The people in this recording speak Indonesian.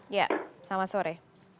iya selamat sore